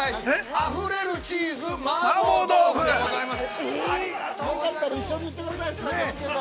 あふれるチーズ麻婆豆腐でございます。